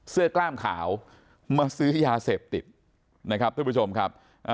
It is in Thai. กล้ามขาวมาซื้อยาเสพติดนะครับท่านผู้ชมครับ